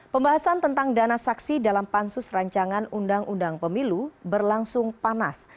pembahasan tentang dana saksi dalam pansus rancangan undang undang pemilu berlangsung panas